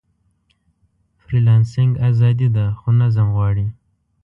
فریلانسنګ ازادي ده، خو نظم غواړي.